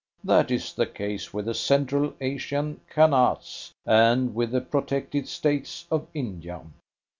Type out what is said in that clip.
That is the case with the Central Asian Khanates and with the protected States of India.